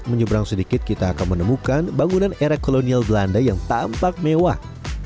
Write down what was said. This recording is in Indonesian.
menyeberang sedikit kita akan menemukan bangunan era kolonial belanda yang tampak mewah